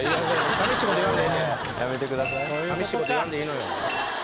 寂しいこと言わんでいいのよ。